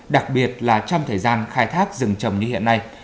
đặc biệt là trong thời gian khai thác rừng trồng như hiện nay